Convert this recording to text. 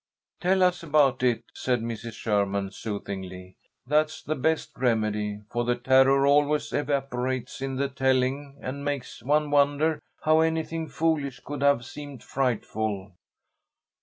"Tell us about it," said Mrs. Sherman, soothingly. "That's the best remedy, for the terror always evaporates in the telling, and makes one wonder how anything foolish could have seemed frightful."